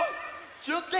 きをつけ！